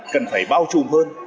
cần phải bao trùm hơn